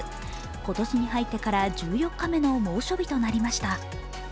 今年に入ってから１４日目の猛暑日となりました。